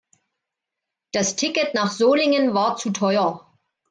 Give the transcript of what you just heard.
Das Ticket nach Solingen war zu teuer